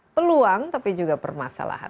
peluang tapi juga permasalahan